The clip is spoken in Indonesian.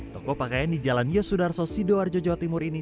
toko pakaian di jalan yosudarso sidoarjo jawa timur ini